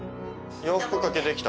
洋服かけ出来た。